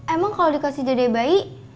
emang kalau dikasih dede bayi kan duitnya banyak